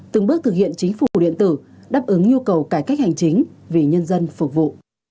từng bước thực hiện chính phủ điện tử đáp ứng nhu cầu cải cách hành chính vì nhân dân phục vụ